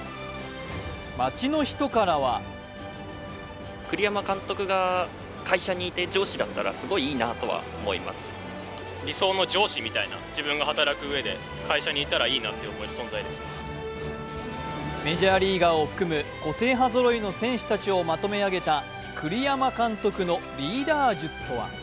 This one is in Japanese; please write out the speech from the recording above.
街の人からはメジャーリーガーを含む個性派ぞろいの選手たちをまとめ上げた栗山監督のリーダー術とは。